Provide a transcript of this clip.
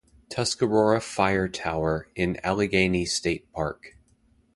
Tuscarora Fire Tower in Allegany State Park.